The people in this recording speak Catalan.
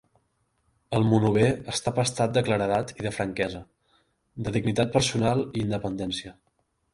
El monover està pastat de claredat i de franquesa, de dignitat personal i independència.